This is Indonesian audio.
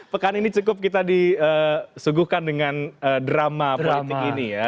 pekan ini cukup kita disuguhkan dengan drama politik ini ya